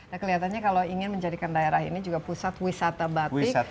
nah kelihatannya kalau ingin menjadikan daerah ini juga pusat wisata batik